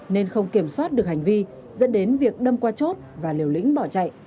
nên không kiểm soát được hành vi dẫn đến việc đâm qua chốt và liều lĩnh bỏ chạy